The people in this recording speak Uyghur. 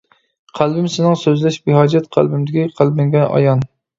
قەلبىم سېنىڭ سۆزلەش بىھاجەت، قەلبىمدىكى قەلبىڭگە ئايان.